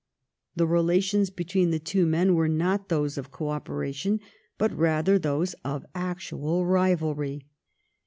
The relations between the two men were not those of co operation, but rather those of actual rivalry.